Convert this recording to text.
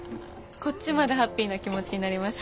こっちまでハッピーな気持ちになりました。